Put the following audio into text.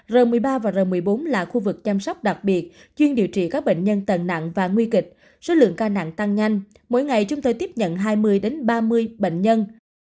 r một mươi ba và r một mươi bốn là khu vực chăm sóc đặc biệt chuyên điều trị các bệnh nhân tầng nặng và nguy kịch số lượng ca nặng tăng nhanh mỗi ngày chúng tôi tiếp nhận hai mươi ba mươi bệnh nhân